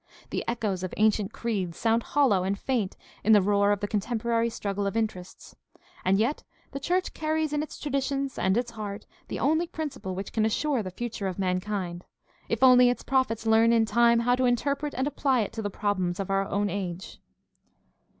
The echoes of ancient creeds sound hollow and faint in the roar of the contemporary struggle of interests. And yet the church carries in its traditions and its heart the only principle which can assure the future of mankind, if only its prophets learn in time how to interpret and apply it to the problems of our own age.